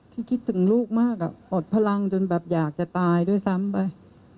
คิดถึงลูกมากอดพลังจนแบบอยากจะตายด้วยซ้ำไป